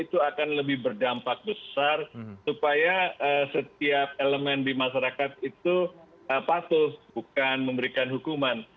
itu akan lebih berdampak besar supaya setiap elemen di masyarakat itu patuh bukan memberikan hukuman